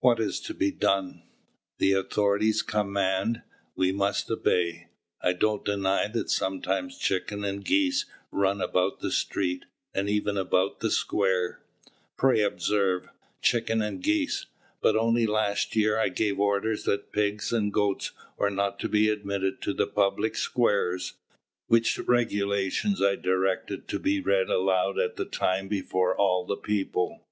What is to be done? The authorities command, we must obey. I don't deny that sometimes chickens and geese run about the street, and even about the square, pray observe, chickens and geese; but only last year, I gave orders that pigs and goats were not to be admitted to the public squares, which regulations I directed to be read aloud at the time before all the people."